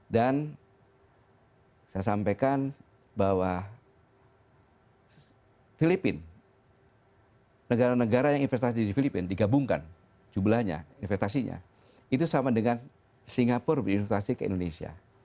dan saya sampaikan bahwa filipina negara negara yang investasi di filipina digabungkan jumlahnya investasinya itu sama dengan singapura berinvestasi ke indonesia